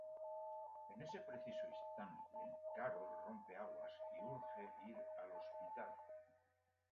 En ese preciso instante, Carol rompe aguas y urge ir al hospital.